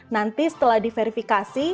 nanti setelah diverifikasi